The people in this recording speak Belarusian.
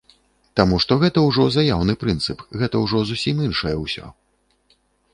Таму што гэта ўжо заяўны прынцып, гэта ўжо зусім іншае ўсё.